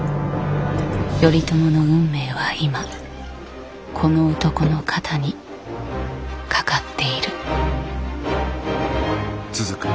頼朝の運命は今この男の肩にかかっている。